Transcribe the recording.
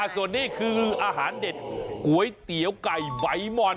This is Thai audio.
ส่วนนี้คืออาหารเด็ดก๋วยเตี๋ยวไก่ใบมอน